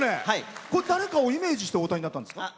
これ誰かをイメージしてお歌いになったんですか？